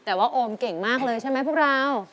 แต่ว่าโอมเก่งมากเลยใช่ไหมพวกเรา